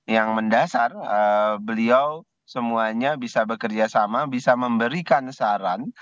yang mendasar beliau semuanya bisa bekerja sama bisa memberikan saran